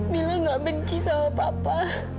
mila gak benci sama papa